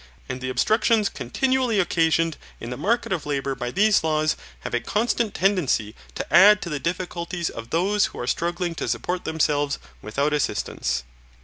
And the obstructions continuity occasioned in the market of labour by these laws have a constant tendency to add to the difficulties of those who are struggling to support themselves without assistance.